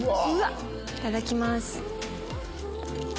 いただきます。